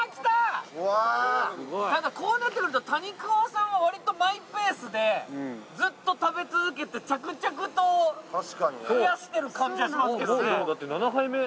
ただこうなってくると谷川さんはわりとマイペースでずっと食べ続けて着々と増やしてる感じがしますけどね。